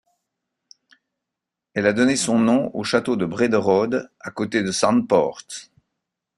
Elle a donné son nom au château de Brederode, à côté de Santpoort.